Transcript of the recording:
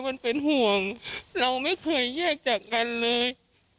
มันเป็นห่วงเราไม่เคยแยกจากกันเลย